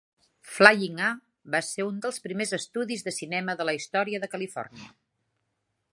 Flying A va ser un dels primers estudis de cinema de la història de Califòrnia.